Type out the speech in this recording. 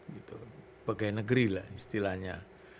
pegawai negeri lah istilahnya